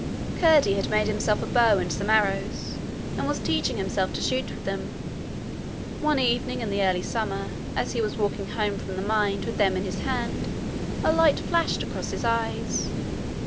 Curdie had made himself a bow and some arrows, and was teaching himself to shoot with them. One evening in the early summer, as he was walking home from the mine with them in his hand, a light flashed across his eyes.